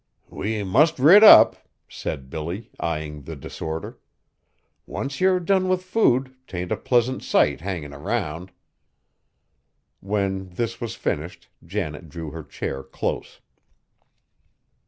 "We must rid up," said Billy, eyeing the disorder; "once yer done with food, 'tain't a pleasant sight hangin' around." When this was finished Janet drew her chair close.